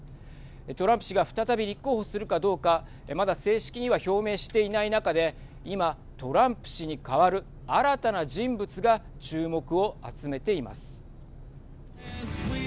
トランプ氏が再び立候補するかどうかまだ正式には表明していない中で今、トランプ氏に代わる新たな人物が注目を集めています。